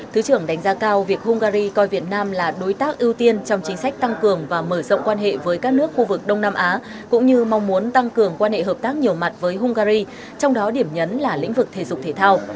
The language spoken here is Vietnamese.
thứ trưởng đánh giá cao việc hungary coi việt nam là đối tác ưu tiên trong chính sách tăng cường và mở rộng quan hệ với các nước khu vực đông nam á cũng như mong muốn tăng cường quan hệ hợp tác nhiều mặt với hungary trong đó điểm nhấn là lĩnh vực thể dục thể thao